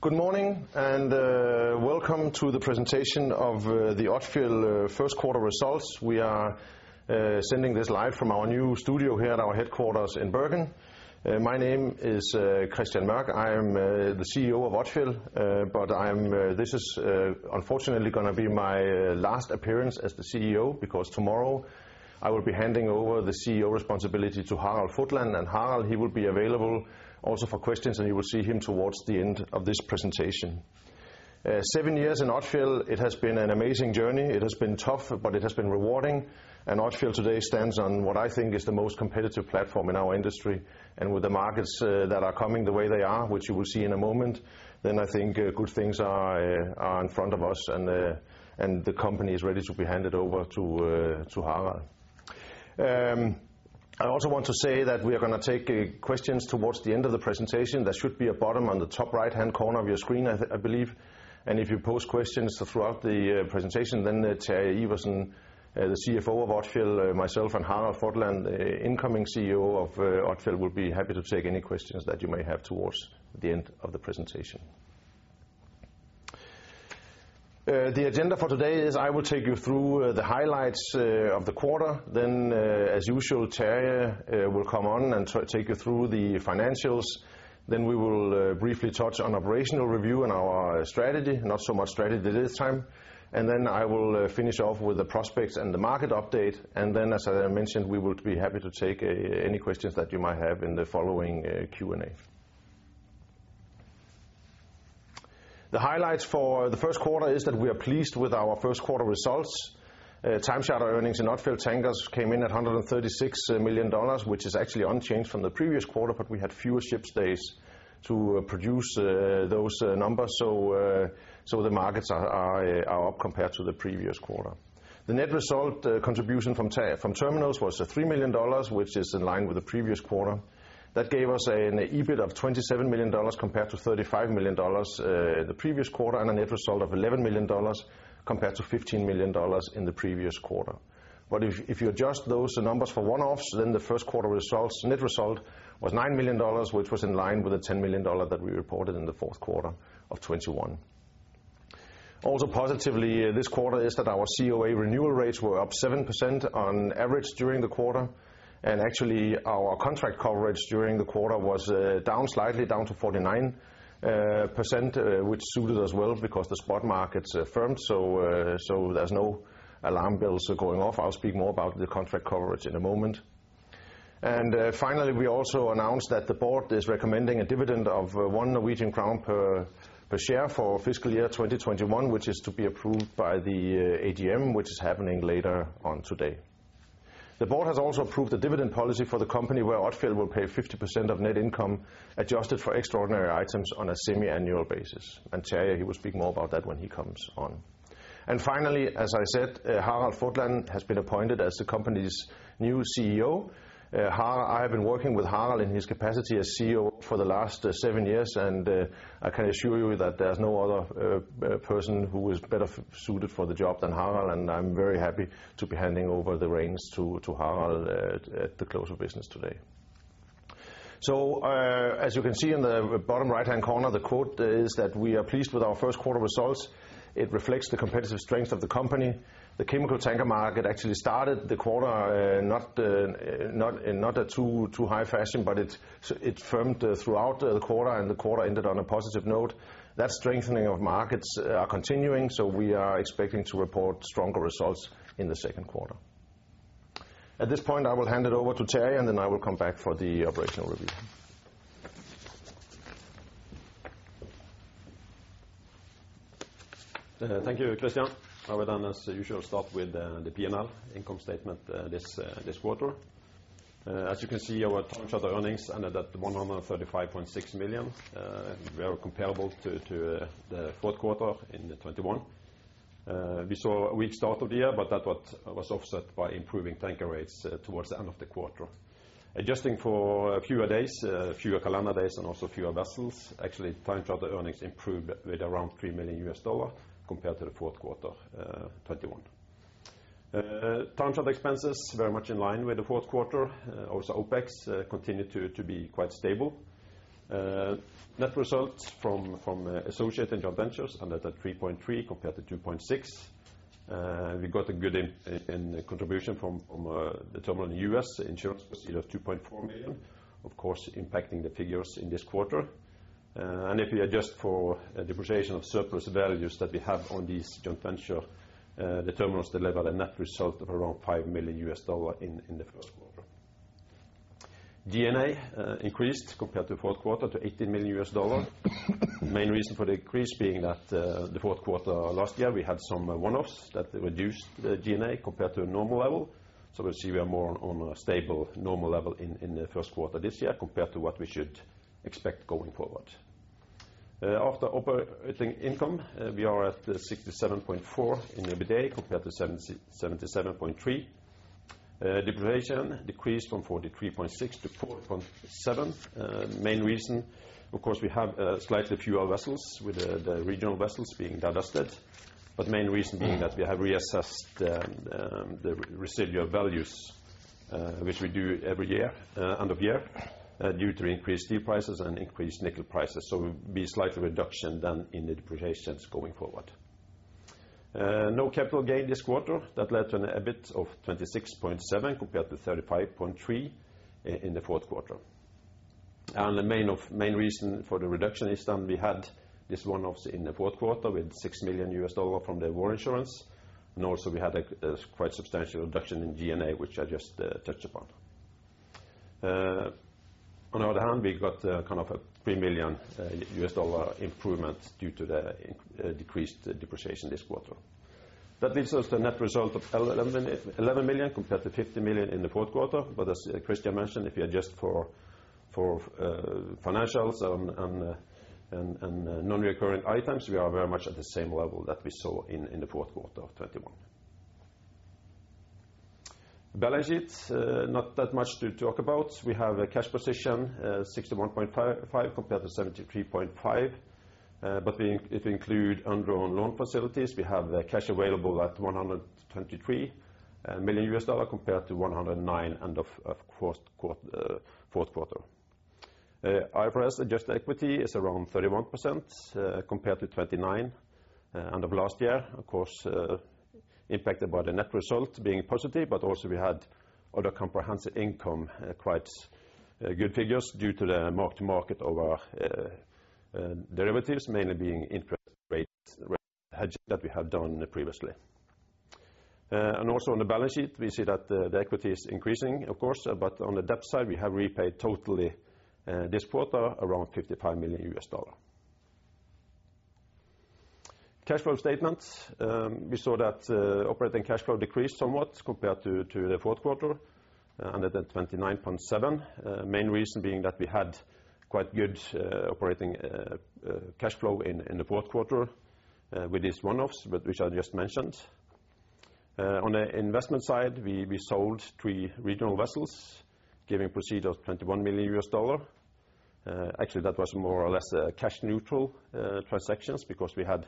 Good morning, and welcome to the presentation of the Odfjell first quarter results. We are sending this live from our new studio here at our headquarters in Bergen. My name is Kristian Mørch. I am the CEO of Odfjell, but this is unfortunately gonna be my last appearance as the CEO because tomorrow I will be handing over the CEO responsibility to Harald Fotland. Harald, he will be available also for questions, and you will see him towards the end of this presentation. Seven years in Odfjell, it has been an amazing journey. It has been tough, but it has been rewarding. Odfjell today stands on what I think is the most competitive platform in our industry. With the markets that are coming the way they are, which you will see in a moment, then I think good things are in front of us and the company is ready to be handed over to Harald. I also want to say that we are gonna take questions towards the end of the presentation. There should be a button on the top right-hand corner of your screen, I believe. If you post questions throughout the presentation, then Terje Iversen, the CFO of Odfjell, myself, and Harald Fotland, incoming CEO of Odfjell, will be happy to take any questions that you may have towards the end of the presentation. The agenda for today is I will take you through the highlights of the quarter. As usual, Terje will come on and take you through the financials. We will briefly touch on operational review and our strategy. Not so much strategy this time. I will finish off with the prospects and the market update. As I mentioned, we would be happy to take any questions that you might have in the following Q&A. The highlights for the first quarter is that we are pleased with our first quarter results. Time charter earnings in Odfjell Tankers came in at $136 million, which is actually unchanged from the previous quarter, but we had fewer ship days to produce those numbers. So the markets are up compared to the previous quarter. The net result contribution from terminals was $3 million, which is in line with the previous quarter. That gave us an EBIT of $27 million compared to $35 million the previous quarter, and a net result of $11 million compared to $15 million in the previous quarter. If you adjust those numbers for one-offs, then the first quarter results net result was $9 million, which was in line with the $10 million that we reported in the fourth quarter of 2021. Also positively this quarter is that our COA renewal rates were up 7% on average during the quarter. Actually, our contract coverage during the quarter was down slightly, down to 49%, which suited us well because the spot markets are firm. There's no alarm bells going off. I'll speak more about the contract coverage in a moment. Finally, we also announced that the board is recommending a dividend of 1 Norwegian crown per share for fiscal year 2021, which is to be approved by the AGM, which is happening later on today. The board has also approved a dividend policy for the company where Odfjell will pay 50% of net income adjusted for extraordinary items on a semiannual basis. Terje, he will speak more about that when he comes on. Finally, as I said, Harald Fotland has been appointed as the company's new CEO. I have been working with Harald in his capacity as CEO for the last seven years, and I can assure you that there's no other person who is better suited for the job than Harald, and I'm very happy to be handing over the reins to Harald at the close of business today. As you can see in the bottom right-hand corner, the quote is that we are pleased with our first quarter results. It reflects the competitive strength of the company. The chemical tanker market actually started the quarter not in a too high fashion, but it firmed throughout the quarter, and the quarter ended on a positive note. That strengthening of markets are continuing, so we are expecting to report stronger results in the second quarter. At this point, I will hand it over to Terje, and then I will come back for the operational review. Thank you, Kristian. I will, as usual, start with the P&L income statement this quarter. As you can see, our time charter earnings ended at $135.6 million, very comparable to the fourth quarter in 2021. We saw a weak start of the year, but that was offset by improving tanker rates towards the end of the quarter. Adjusting for fewer days, fewer calendar days and also fewer vessels, actually time charter earnings improved with around $3 million compared to the fourth quarter 2021. Time charter expenses very much in line with the fourth quarter. Also, OpEx continued to be quite stable. Net results from associates and joint ventures ended at $3.3 million compared to $2.6 million. We got a good contribution from the terminal in the U.S., insurance proceeds of $2.4 million, of course impacting the figures in this quarter. If we adjust for depreciation of surplus values that we have on this joint venture, the terminals deliver a net result of around $5 million in the first quarter. D&A increased compared to the fourth quarter to $80 million. Main reason for the increase being that the fourth quarter last year, we had some one-offs that reduced the D&A compared to a normal level. We see we are more on a stable, normal level in the first quarter this year compared to what we should expect going forward. After operating income, we are at $67.4 million in EBITDA compared to $77.3 million. Depreciation decreased from $43.6 to $4.7. Main reason, of course, we have slightly fewer vessels with the regional vessels being divested, but main reason being that we have reassessed the residual values. Which we do every year, end of year, due to increased steel prices and increased nickel prices. So it would be slightly reduction than in the depreciations going forward. No capital gain this quarter. That led to an EBIT of 26.7 compared to 35.3 in the fourth quarter. The main reason for the reduction is then we had this one-offs in the fourth quarter with $6 million from the war insurance. Also we had a quite substantial reduction in G&A, which I just touched upon. On the other hand, we got kind of a $3 million improvement due to the decreased depreciation this quarter. That leaves us the net result of $11 million compared to $50 million in the fourth quarter. As Kristian mentioned, if you adjust for financials and non-recurring items, we are very much at the same level that we saw in the fourth quarter of 2021. Balance sheet, not that much to talk about. We have a cash position $61.5 million compared to $73.5 million, but if include undrawn loan facilities, we have the cash available at $123 million compared to $109 million end of fourth quarter. IFRS adjusted equity is around 31%, compared to 29% end of last year, of course, impacted by the net result being positive, but also we had other comprehensive income, quite good figures due to the mark to market of our derivatives, mainly being interest rate hedge that we have done previously. Also on the balance sheet, we see that the equity is increasing, of course, but on the debt side, we have repaid in total this quarter around $55 million. Cash flow statement, we saw that operating cash flow decreased somewhat compared to the fourth quarter, under $29.7 million. Main reason being that we had quite good operating cash flow in the fourth quarter with these one-offs, but which I just mentioned. On the investment side, we sold three regional vessels, giving proceeds of $21 million. Actually, that was more or less cash neutral transactions because we had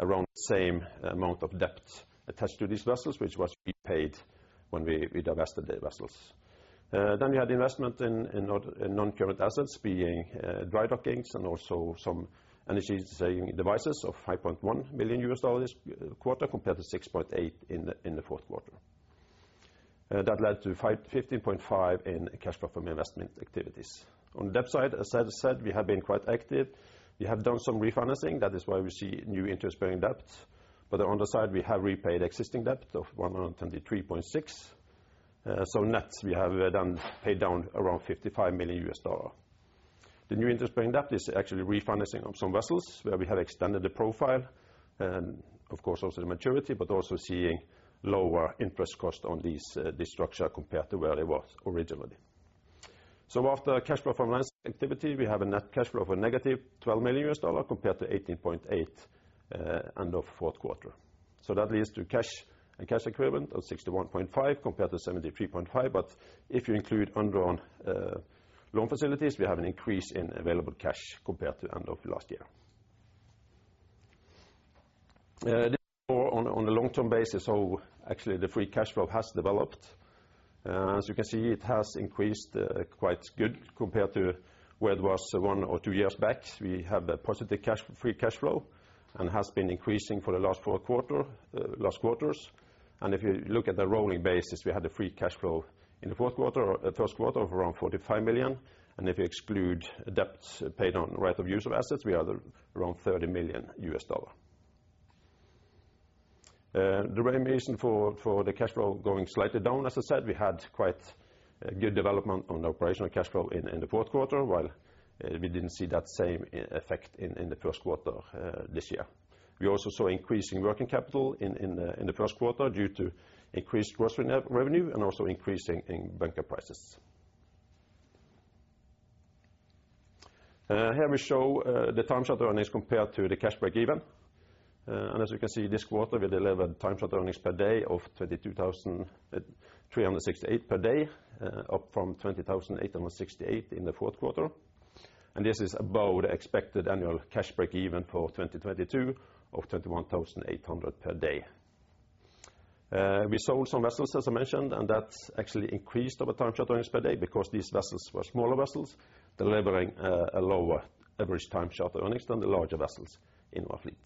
around same amount of debt attached to these vessels, which was prepaid when we divested the vessels. Then we had investment in non-current assets being drydockings and also some energy-saving devices of $5.1 million this quarter compared to $6.8 million in the fourth quarter. That led to -$15.5 million in cash flow from investment activities. On the debt side, as I said, we have been quite active. We have done some refinancing. That is why we see new interest-bearing debt. On the other side, we have repaid existing debt of $123.6 million. Net, we have paid down around $55 million. The new interest-bearing debt is actually refinancing of some vessels where we have extended the profile and, of course, also the maturity, but also seeing lower interest cost on these, this structure compared to where it was originally. After cash flow from investment activity, we have a net cash flow of negative $12 million compared to $18.8 end of fourth quarter. That leads to cash and cash equivalent of $61.5 compared to $73.5. But if you include undrawn loan facilities, we have an increase in available cash compared to end of last year. On a long-term basis, actually the free cash flow has developed. As you can see, it has increased quite good compared to where it was one or two years back. We have a positive free cash flow and has been increasing for the last quarters. If you look at the rolling basis, we had a free cash flow in the fourth quarter or the first quarter of around $45 million. If you exclude debts paid on right of use of assets, we have around $30 million. The main reason for the cash flow going slightly down, as I said, we had quite a good development on the operational cash flow in the fourth quarter, while we didn't see that same effect in the first quarter this year. We also saw increase in working capital in the first quarter due to increased gross revenue and also increase in bunker prices. Here we show the time charter earnings compared to the cash break-even. As you can see, this quarter, we delivered time charter earnings per day of $22,368 per day, up from $20,868 in the fourth quarter. This is above the expected annual cash break even for 2022 of $21,800 per day. We sold some vessels, as I mentioned, and that actually increased our time charter earnings per day because these vessels were smaller vessels delivering a lower average time charter earnings than the larger vessels in our fleet.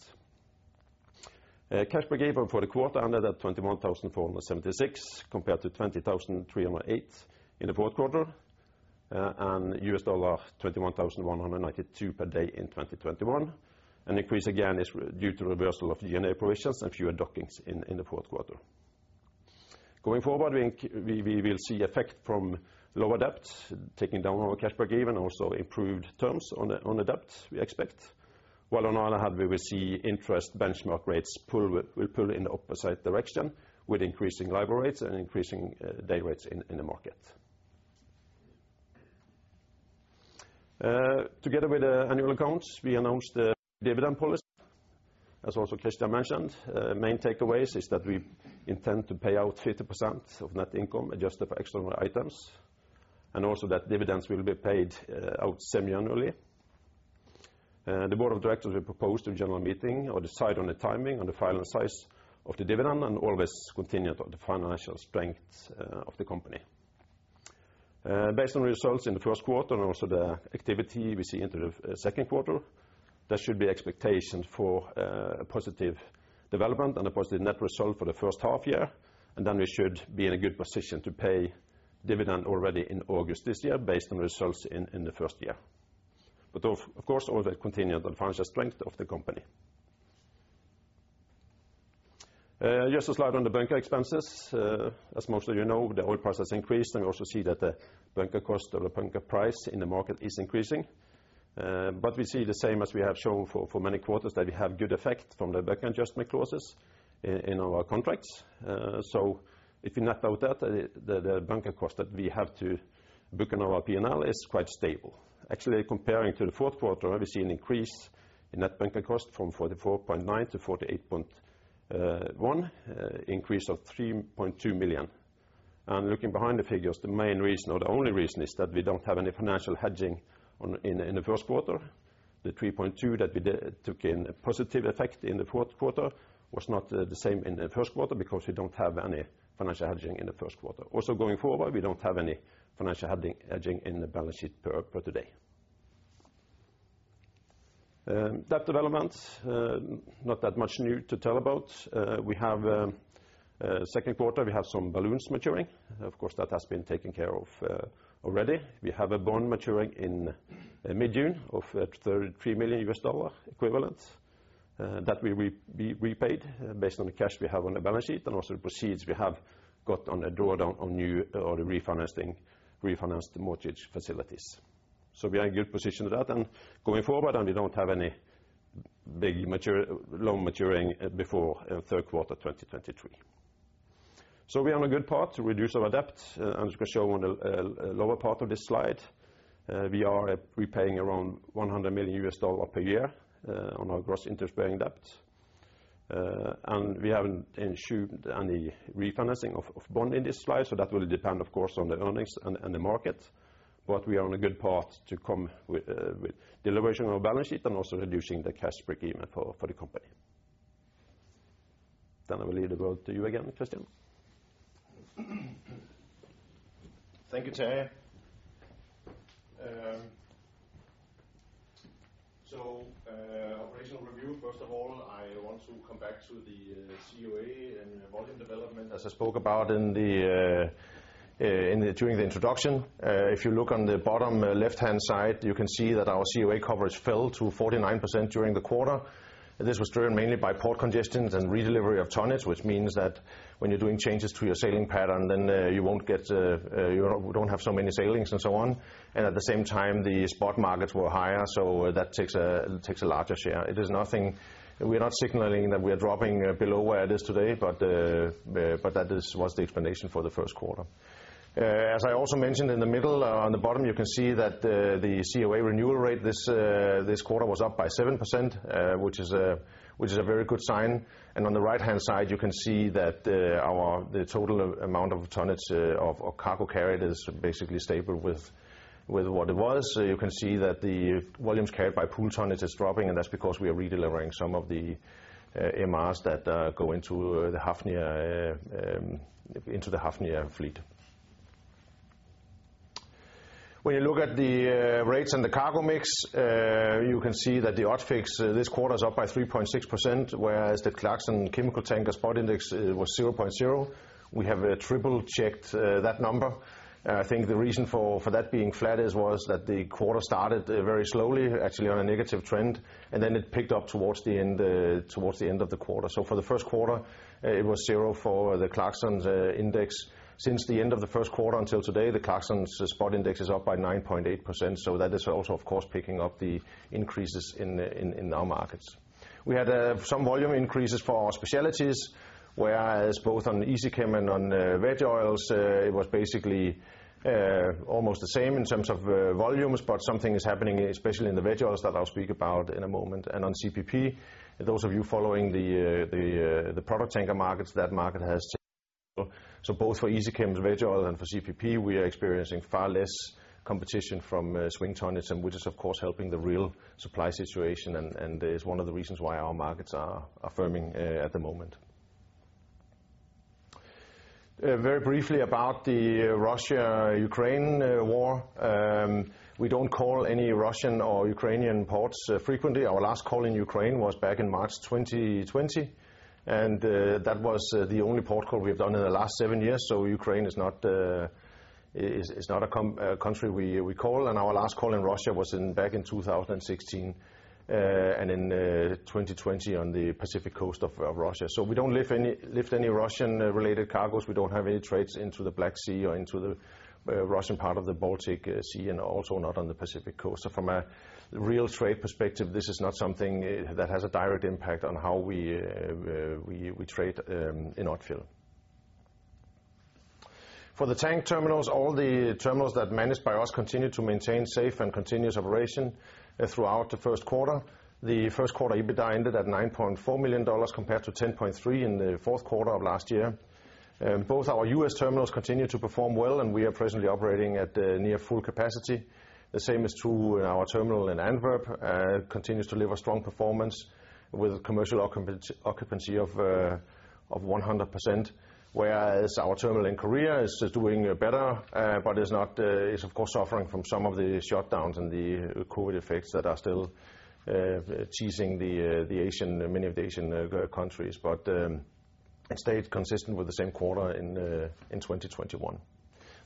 Cash break-even for the quarter ended at 21,476 compared to 20,308 in the fourth quarter, and $21,192 per day in 2021. An increase again is due to reversal of D&A provisions and fewer dockings in the fourth quarter. Going forward, we will see effect from lower debt, taking down our cash break-even, also improved terms on the debt, we expect. While on the other hand, we will see interest benchmark rates will pull in the opposite direction with increasing labor rates and increasing day rates in the market. Together with the annual accounts, we announced the dividend policy. As also Kristian Mørch mentioned, main takeaways is that we intend to pay out 50% of net income adjusted for exceptional items, and also that dividends will be paid out semiannually. The board of directors will propose to a general meeting or decide on the timing on the final size of the dividend and always contingent on the financial strength of the company. Based on results in the first quarter and also the activity we see into the second quarter, there should be expectation for a positive development and a positive net result for the first half year. We should be in a good position to pay dividend already in August this year based on results in the first year. Of course, all that contingent on the financial strength of the company. Just a slide on the bunker expenses. As most of you know, the oil price has increased, and we also see that the bunker cost or the bunker price in the market is increasing. But we see the same as we have shown for many quarters, that we have good effect from the bunker adjustment clauses in our contracts. So if you knock out that, the bunker cost that we have to book in our P&L is quite stable. Actually, comparing to the fourth quarter, we see an increase in net bunker cost from $44.9 million to $48.1 million, increase of $3.2 million. Looking behind the figures, the main reason or the only reason is that we don't have any financial hedging in the first quarter. The $3.2 that we did took a positive effect in the fourth quarter was not the same in the first quarter because we don't have any financial hedging in the first quarter. Also going forward, we don't have any financial hedging in the balance sheet as of today. Debt developments, not that much new to tell about. In the second quarter, we have some balloons maturing. Of course, that has been taken care of already. We have a bond maturing in mid-June of $33 million US dollar equivalent that we repaid based on the cash we have on the balance sheet and also the proceeds we have got on a drawdown on new refinanced mortgage facilities. We are in a good position with that and going forward, and we don't have any big maturity loan maturing before third quarter 2023. We are on a good path to reduce our debt, as we show on the lower part of this slide. We are repaying around $100 million per year on our gross interest-bearing debt. And we haven't ensured any refinancing of bond in this slide, so that will depend, of course, on the earnings and the market. But we are on a good path to come with deleveraging of our balance sheet and also reducing the cash requirement for the company. I will leave the floor to you again, Kristian. Thank you, Terje. Operational review. First of all, I want to come back to the COA and volume development, as I spoke about during the introduction. If you look on the bottom left-hand side, you can see that our COA coverage fell to 49% during the quarter. This was driven mainly by port congestions and redelivery of tonnage, which means that when you're doing changes to your sailing pattern, then you don't have so many sailings and so on. At the same time, the spot markets were higher, so that takes a larger share. It is nothing. We're not signaling that we are dropping below where it is today, but that was the explanation for the first quarter. As I also mentioned in the middle, on the bottom, you can see that the COA renewal rate this quarter was up by 7%, which is a very good sign. On the right-hand side, you can see that our total amount of tonnages of cargo carried is basically stable with what it was. You can see that the volumes carried by pool tonnage is dropping, and that's because we are redelivering some of the MRs that go into the Hafnia fleet. When you look at the rates and the cargo mix, you can see that the ODFIX this quarter is up by 3.6%, whereas the Clarksons Chemical Tanker Spot Index was 0.0. We have triple-checked that number. I think the reason for that being flat was that the quarter started very slowly, actually on a negative trend, and then it picked up towards the end of the quarter. For the first quarter, it was zero for the Clarksons index. Since the end of the first quarter until today, the Clarksons Spot Index is up by 9.8%. That is also, of course, picking up the increases in our markets. We had some volume increases for our specialties, whereas both on the EasyChem and on Veg Oils, it was basically almost the same in terms of volumes, but something is happening, especially in the Veg Oils, that I'll speak about in a moment. On CPP, those of you following the product tanker markets. Both for EasyChem and Veg Oil and for CPP, we are experiencing far less competition from swing tonnage, which is of course helping the real supply situation and is one of the reasons why our markets are firming at the moment. Very briefly about the Russia-Ukraine war. We don't call any Russian or Ukrainian ports frequently. Our last call in Ukraine was back in March 2020, and that was the only port call we have done in the last seven years. Ukraine is not a country we call, and our last call in Russia was back in 2016 and in 2020 on the Pacific coast of Russia. We don't lift any Russian-related cargoes. We don't have any trades into the Black Sea or into the Russian part of the Baltic Sea and also not on the Pacific Coast. From a real trade perspective, this is not something that has a direct impact on how we trade in Odfjell. For the tank terminals, all the terminals that managed by us continue to maintain safe and continuous operation throughout the first quarter. The first quarter EBITDA ended at $9.4 million compared to $10.3 million in the fourth quarter of last year. Both our U.S. terminals continue to perform well, and we are presently operating at near full capacity. The same is true in our terminal in Antwerp continues to deliver strong performance with a commercial occupancy of 100%, whereas our terminal in Korea is doing better, but is not, is of course suffering from some of the shutdowns and the COVID effects that are still hitting many of the Asian countries. It stayed consistent with the same quarter in 2021.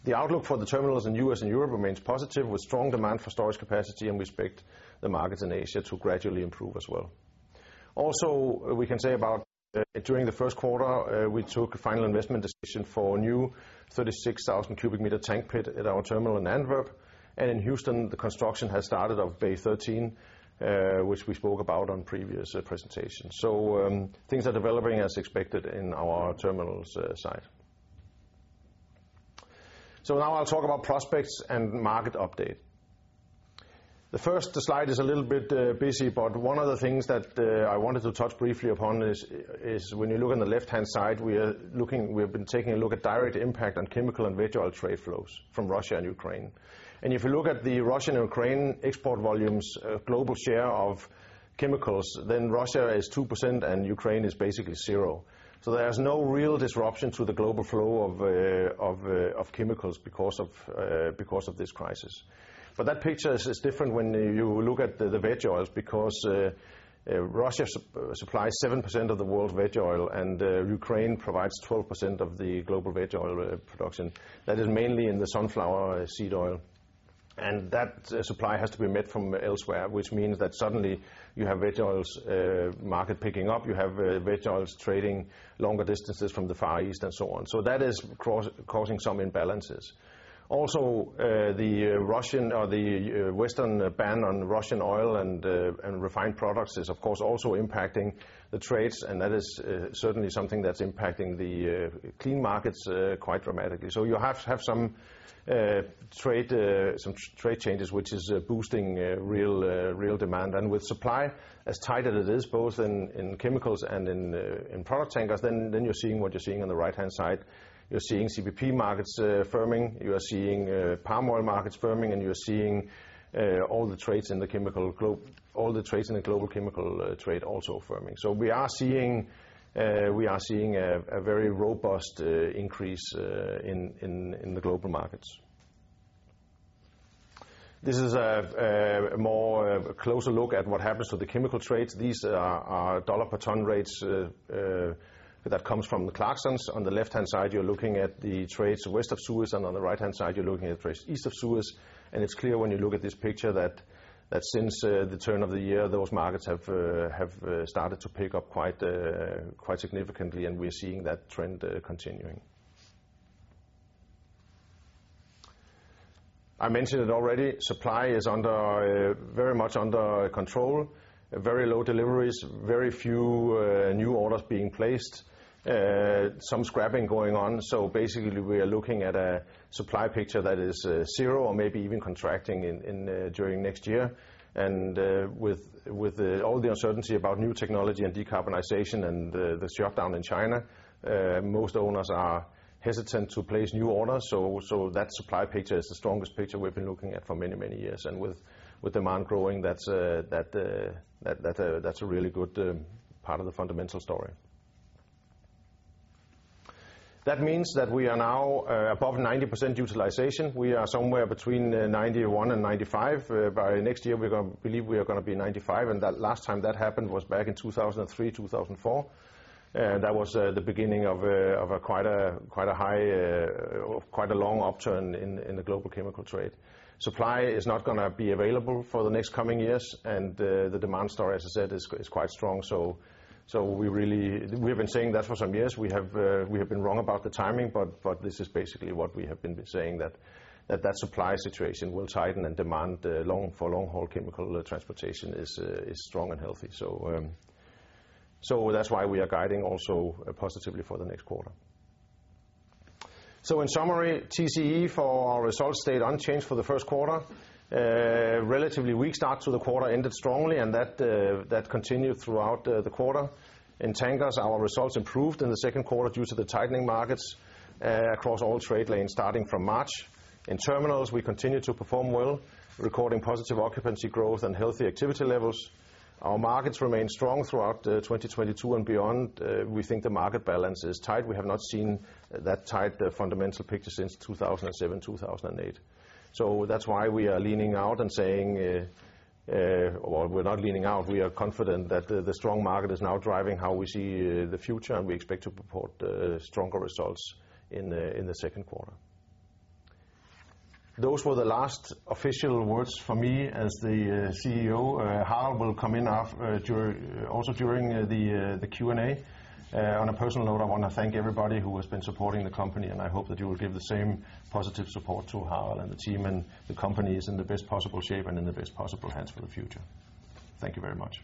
The outlook for the terminals in U.S. and Europe remains positive with strong demand for storage capacity, and we expect the markets in Asia to gradually improve as well. We can say about during the first quarter, we took a final investment decision for a new 36,000-cu m tank pit at our terminal in Antwerp. In Houston, the construction has started of Bay 13, which we spoke about on previous presentations. Things are developing as expected in our terminals site. Now I'll talk about prospects and market update. The first slide is a little bit busy, but one of the things that I wanted to touch briefly upon is when you look on the left-hand side, we have been taking a look at direct impact on chemical and veg oil trade flows from Russia and Ukraine. If you look at the Russian and Ukraine export volumes, global share of chemicals, then Russia is 2% and Ukraine is basically zero. There is no real disruption to the global flow of chemicals because of this crisis. That picture is different when you look at the Veg Oils because Russia supplies 7% of the world's veg oil and Ukraine provides 12% of the global veg oil production. That is mainly in the sunflower seed oil. That supply has to be met from elsewhere, which means that suddenly you have Veg Oils market picking up. You have Veg Oils trading longer distances from the Far East and so on. That is causing some imbalances. Also, the Russian or the Western ban on Russian oil and refined products is, of course, also impacting the trades, and that is certainly something that's impacting the clean markets quite dramatically. You have to have some trade changes which is boosting real demand. With supply as tight as it is, both in chemicals and in product tankers, then you're seeing what you're seeing on the right-hand side. You're seeing CPP markets firming. You are seeing palm oil markets firming, and you are seeing all the trades in the global chemical trade also firming. We are seeing a very robust increase in the global markets. This is a closer look at what happens to the chemical trades. These are dollar per ton rates that comes from the Clarksons. On the left-hand side, you're looking at the trades west of Suez, and on the right-hand side, you're looking at trades east of Suez. It's clear when you look at this picture that since the turn of the year, those markets have started to pick up quite significantly, and we're seeing that trend continuing. I mentioned it already. Supply is very much under control. Very low deliveries, very few new orders being placed. Some scrapping going on. Basically we are looking at a supply picture that is zero or maybe even contracting during next year. With all the uncertainty about new technology and decarbonization and the shutdown in China, most owners are hesitant to place new orders. That supply picture is the strongest picture we've been looking at for many, many years. With demand growing, that's a really good part of the fundamental story. That means that we are now above 90% utilization. We are somewhere between 91%-95%. By next year, we believe we are gonna be 95%, and that last time that happened was back in 2003, 2004. That was the beginning of quite a high, quite a long upturn in the global chemical trade. Supply is not gonna be available for the next coming years, and the demand story, as I said, is quite strong. We really have been saying that for some years. We have been wrong about the timing, but this is basically what we have been saying, that the supply situation will tighten and demand for long-haul chemical transportation is strong and healthy. That's why we are guiding also positively for the next quarter. In summary, TCE for our results stayed unchanged for the first quarter. Relatively weak start to the quarter ended strongly and that continued throughout the quarter. In tankers, our results improved in the second quarter due to the tightening markets across all trade lanes starting from March. In terminals, we continued to perform well, recording positive occupancy growth and healthy activity levels. Our markets remain strong throughout 2022 and beyond. We think the market balance is tight. We have not seen that tight a fundamental picture since 2007, 2008. That's why we are leaning out and saying, or we're not leaning out. We are confident that the strong market is now driving how we see the future, and we expect to report stronger results in the second quarter. Those were the last official words for me as the CEO. Harald will come in also during the Q&A. On a personal note, I wanna thank everybody who has been supporting the company, and I hope that you will give the same positive support to Harald and the team and the company is in the best possible shape and in the best possible hands for the future. Thank you very much.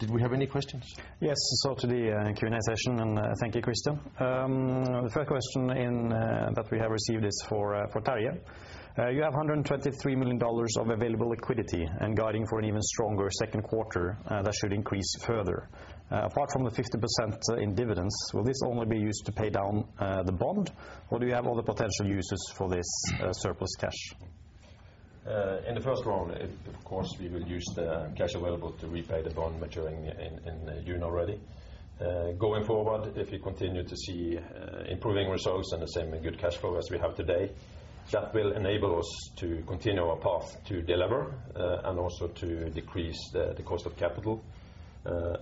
Did we have any questions? Yes. To the Q&A session, and thank you, Kristian. The first question that we have received is for Terje. You have $123 million of available liquidity and guiding for an even stronger second quarter that should increase further. Apart from the 50% in dividends, will this only be used to pay down the bond, or do you have other potential uses for this surplus cash? In the first round, of course, we will use the cash available to repay the bond maturing in June already. Going forward, if we continue to see improving results and the same good cash flow as we have today, that will enable us to continue our path to deliver and also to decrease the cost of capital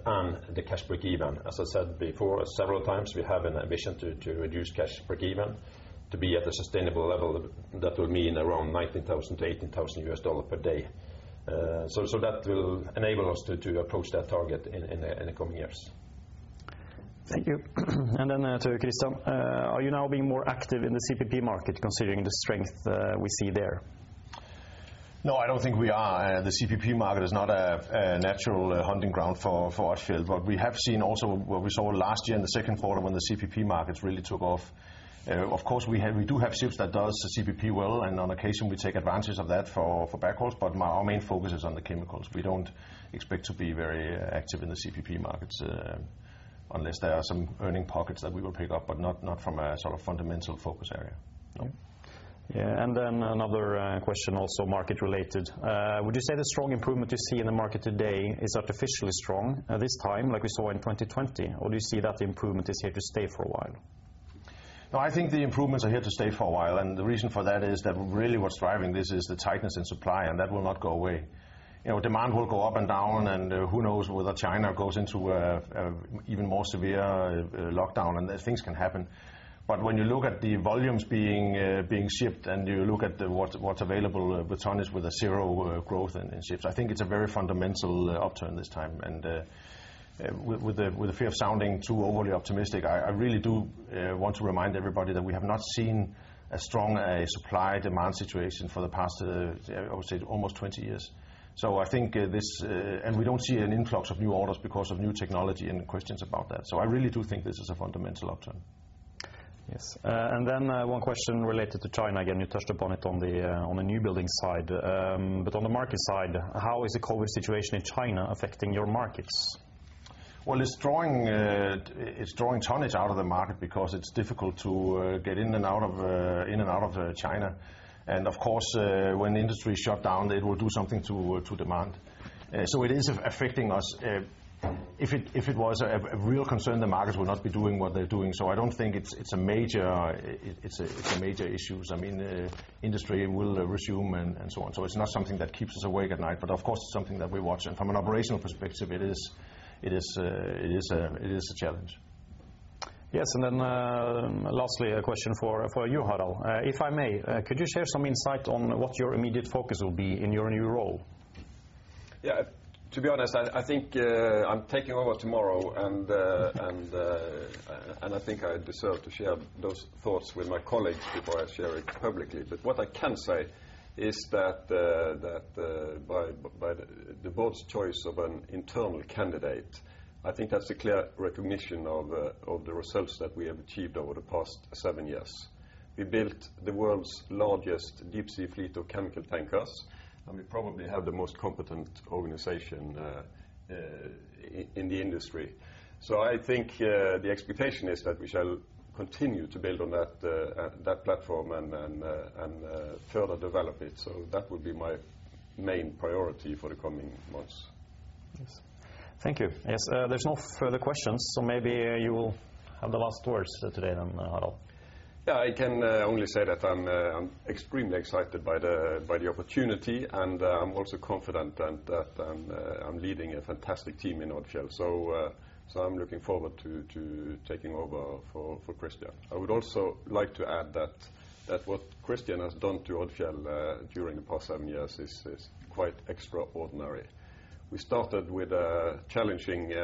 and the cash break-even. As I said before several times, we have an ambition to reduce cash break-even to be at a sustainable level that will mean around $19,000-$18,000 per day. That will enable us to approach that target in the coming years. Thank you. To Kristian. Are you now being more active in the CPP market considering the strength we see there? No, I don't think we are. The CPP market is not a natural hunting ground for Odfjell SE. We have seen also what we saw last year in the second quarter when the CPP markets really took off. Of course we do have ships that does the CPP well, and on occasion, we take advantage of that for backhauls, but our main focus is on the chemicals. We don't expect to be very active in the CPP markets, unless there are some earning pockets that we will pick up, but not from a sort of fundamental focus area. No. Another question also market related. Would you say the strong improvement you see in the market today is artificially strong at this time, like we saw in 2020? Or do you see that the improvement is here to stay for a while? No, I think the improvements are here to stay for a while, and the reason for that is that really what's driving this is the tightness in supply, and that will not go away. You know, demand will go up and down, and who knows whether China goes into a even more severe lockdown, and things can happen. But when you look at the volumes being shipped, and you look at what's available with tonnage, with 0 growth in ships, I think it's a very fundamental upturn this time. With the fear of sounding too overly optimistic, I really do want to remind everybody that we have not seen a strong supply-demand situation for the past, I would say almost 20 years. I think this. We don't see an influx of new orders because of new technology and questions about that. I really do think this is a fundamental upturn. Yes. One question related to China. Again, you touched upon it on the newbuilding side. On the market side, how is the COVID situation in China affecting your markets? Well, it's drawing tonnage out of the market because it's difficult to get in and out of China. Of course, when industry is shut down, it will do something to demand. It is affecting us. If it was a real concern, the markets would not be doing what they're doing. I don't think it's a major issue. I mean, industry will resume and so on. It's not something that keeps us awake at night. Of course it's something that we watch. From an operational perspective, it is a challenge. Yes. Lastly, a question for you, Harald. If I may, could you share some insight on what your immediate focus will be in your new role? To be honest, I think I'm taking over tomorrow, and I think I deserve to share those thoughts with my colleagues before I share it publicly. What I can say is that by the board's choice of an internal candidate, I think that's a clear recognition of the results that we have achieved over the past seven years. We built the world's largest deep sea fleet of chemical tankers, and we probably have the most competent organization in the industry. I think the expectation is that we shall continue to build on that at that platform and further develop it. That will be my main priority for the coming months. Yes. Thank you. Yes, there's no further questions, so maybe, you will have the last words today then, Harald. Yeah, I can only say that I'm extremely excited by the opportunity, and I'm also confident that I'm leading a fantastic team in Odfjell SE. I'm looking forward to taking over for Kristian. I would also like to add that what Kristian has done to Odfjell SE during the past seven years is quite extraordinary. We started with a challenging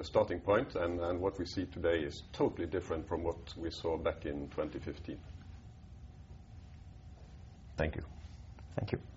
starting point, and what we see today is totally different from what we saw back in 2015. Thank you. Thank you.